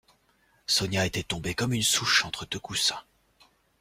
Sonia était tombée comme une souche entre deux coussins.